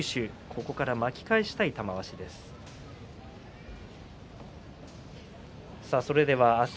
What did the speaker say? ここから巻き返したい玉鷲です。